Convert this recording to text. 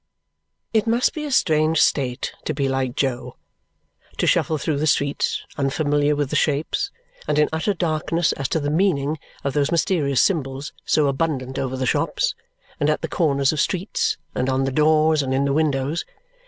It must be a strange state to be like Jo! To shuffle through the streets, unfamiliar with the shapes, and in utter darkness as to the meaning, of those mysterious symbols, so abundant over the shops, and at the corners of streets, and on the doors, and in the windows!